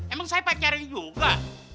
emang saya pacarnya juga